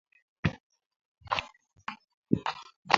Amesema afisa mwandamizi wa benki kuu ya Uganda, Ijumaa.